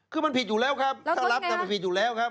คือมันผิดอยู่แล้วครับถ้ารับมันผิดอยู่แล้วครับ